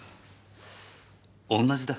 同じだ。